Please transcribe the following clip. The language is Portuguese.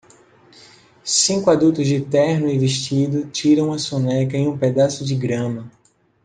Cinco adultos de terno e vestido tiram uma soneca em um pedaço de grama.